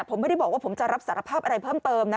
ผมไม่ได้บอกว่าผมจะรับสารภาพอะไรเพิ่มเติมนะ